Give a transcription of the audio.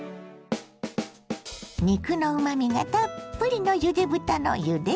肉のうまみがたっぷりのゆで豚のゆで汁。